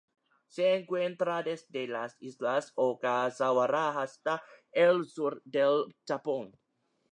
Se encuentra desde las islas Ogasawara hasta el sur del Japón.